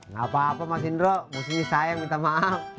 gak apa apa mas indro mesti saya minta maaf